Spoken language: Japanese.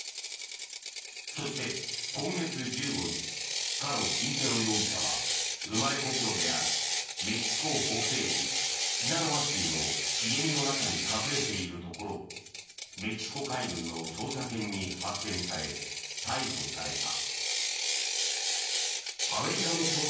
そして、今月１５日カロ・キンテロ容疑者は生まれ故郷であるメキシコ北西部シナロア州の茂みの中に隠れているところをメキシコ海軍の捜査犬に発見され逮捕された。